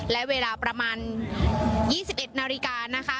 และเวลาประมาณยี่สิบเอ็ดนาฬิกานะคะ